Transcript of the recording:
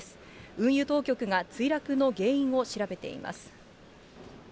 運輸当局が墜落の原因を調べています。